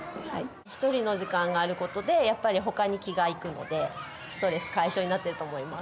ひとりの時間があることでやっぱりほかに気が行くのでストレス解消になってると思います。